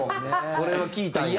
これを聞いたんや。